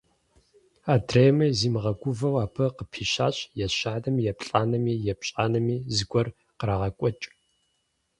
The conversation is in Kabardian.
Адрейми зимыгъэгувэу абы къыпищащ, ещанэми, еплӀанэми… епщӀанэми зыгуэр кърагъэкӀуэкӀ.